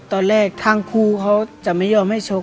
ตอนแรกทางครูเขาจะไม่ยอมให้ชก